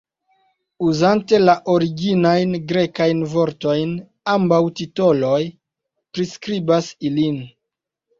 Uzante la originajn grekajn vortojn, ambaŭ titoloj priskribas ilin.